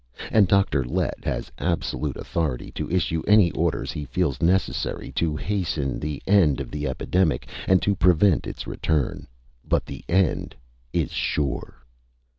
And Dr. Lett has absolute authority to issue any orders he feels necessary to hasten the end of the epidemic and to prevent its return. But the end is sure!